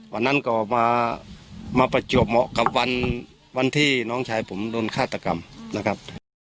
วันนั้นก็มาประจวบเหมาะกับวันที่น้องชายผมโดนฆาตกรรมนะครับ